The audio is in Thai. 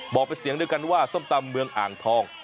บอกเป็นเสียงเดียวกันว่าส้มตำเมืองอ่างทอง